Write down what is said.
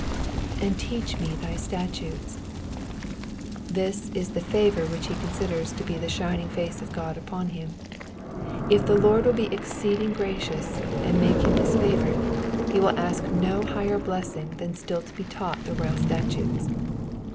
^^And teach me thy statutes.'^'' This is the favour which he considers to be the shining of the face of €k>d upon him. If the Lord will be exceeding gracious, and make him his favourite, he will ask no higher blessing than still to be taught the royal statutes.